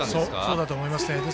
そうだと思います。